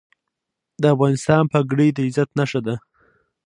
د افغانستان پګړۍ د عزت نښه ده